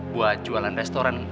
buat jualan restoran